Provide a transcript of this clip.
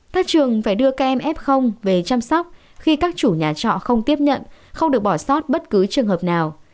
các trường phải đưa các em f về chăm sóc khi các chủ nhà trọ không tiếp nhận không được bỏ sót bất cứ trường hợp nào